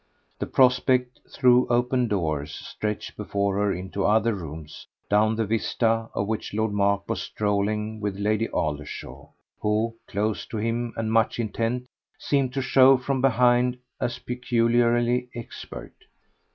The prospect, through opened doors, stretched before her into other rooms, down the vista of which Lord Mark was strolling with Lady Aldershaw, who, close to him and much intent, seemed to show from behind as peculiarly expert.